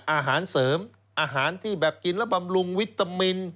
อาหารเสริมอาหารที่แบบกินและบำรุงวิตามิน